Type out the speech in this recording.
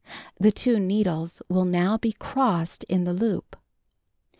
The two nee dles will now be crossed in the loop.